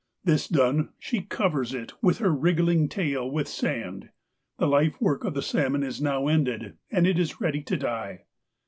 This done, she covers it, with her wriggling tail, with sand. The life work of the salmon is now ended, and it is ready to die.